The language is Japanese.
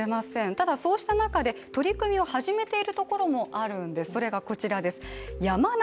ただそうした中で取り組みを始めているところもあるんです。